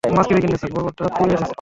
বর্বরটা ফিরে এসেছে।